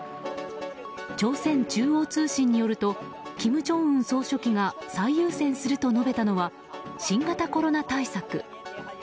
朝鮮中央通信によると金正恩総書記が最優先すると述べたのは新型コロナ対策。